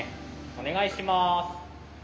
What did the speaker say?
お願いします。